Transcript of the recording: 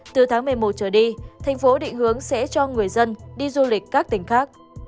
từ tháng một mươi một trở đi thành phố định hướng sẽ cho người dân đi du lịch các tỉnh khác